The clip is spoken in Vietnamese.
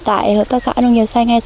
tại hợp tác xã nông nghiệp xanh